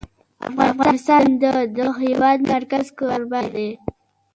افغانستان د د هېواد مرکز کوربه دی.